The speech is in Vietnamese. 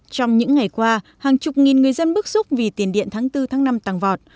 trong những ngày qua hàng chục nghìn người dân bức xúc vì tiền điện tháng bốn tháng năm tăng vọt